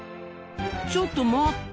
ちょっと待った！